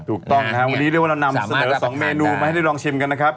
ถูกต้องนะครับวันนี้เรียกว่าเรานำเสนอ๒เมนูมาให้ได้ลองชิมกันนะครับ